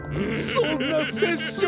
そんなせっしょうな。